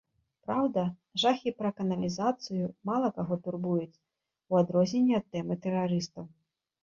Праўда, жахі пра каналізацыю мала каго турбуюць, у адрозненне ад тэмы тэрарыстаў.